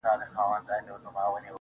ستا باڼه هم ستا د سترگو جرم پټ کړي~